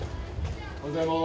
ああっおはようございます。